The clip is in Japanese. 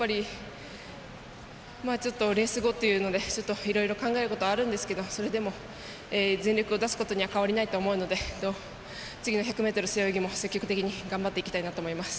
ちょっとレース後というのでちょっと考えることがあるんですけど全力を出すことには変わりないと思いますので次の１００ｍ背泳ぎも積極的に頑張っていきたいなと思います。